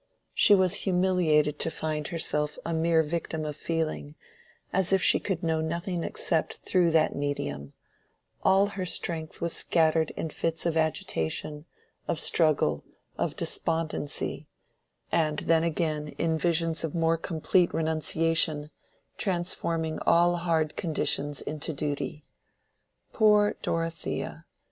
She was humiliated to find herself a mere victim of feeling, as if she could know nothing except through that medium: all her strength was scattered in fits of agitation, of struggle, of despondency, and then again in visions of more complete renunciation, transforming all hard conditions into duty. Poor Dorothea!